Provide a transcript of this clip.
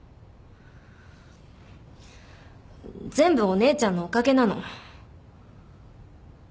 全部お姉ちゃんのおかげなの。